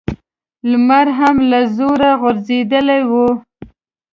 لمر هم له زوره غورځېدلی و.